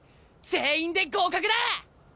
全員で合格だ！